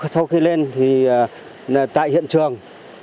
sau khi lên thì tại hiện trường